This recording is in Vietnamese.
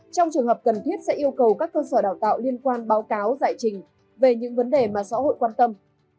trong trường hợp cần thiết sẽ yêu cầu các cơ sở đào tạo liên quan báo cáo giải trình về những vấn đề mà xã hội quan tâm